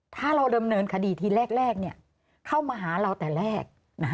ถ้าเราดำเนินคดีทีแรกเข้ามาหาเราแต่แรก